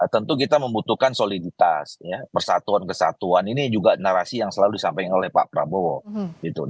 tentu kita membutuhkan soliditas persatuan kesatuan ini juga narasi yang selalu disampaikan oleh pak prabowo